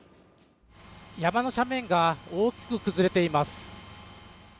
山の斜面が大きく崩れています。